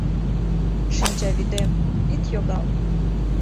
Шинчавӱдем, ит йогал.